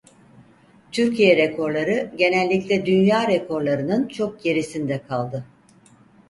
Türkiye rekorları genellikle dünya rekorlarının çok gerisinde kaldı.